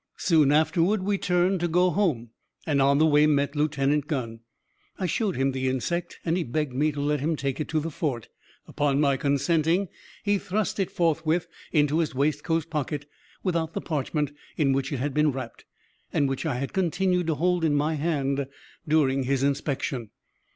Soon afterward we turned to go home, and on the way met Lieutenant G . I showed him the insect, and he begged me to let him take it to the fort. Upon my consenting, he thrust it forthwith into his waistcoat pocket, without the parchment in which it had been wrapped, and which I had continued to hold in my hand during his inspection.